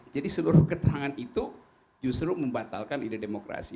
jadi seluruh keterangan itu justru membatalkan ide demokrasi